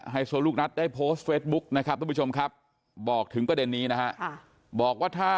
หวังผลทางการเมืองยุ่งปลูกปัด